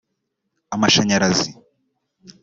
amashanyarazi